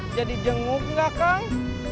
jadi jenguk gak kang